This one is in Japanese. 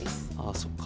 あそっか。